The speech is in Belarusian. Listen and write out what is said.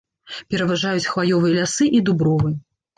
Пераважаюць хваёвыя лясы і дубровы.